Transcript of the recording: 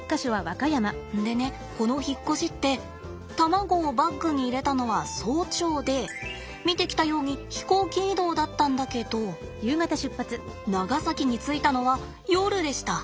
でねこの引っ越しって卵をバッグに入れたのは早朝で見てきたように飛行機移動だったんだけど長崎に着いたのは夜でした。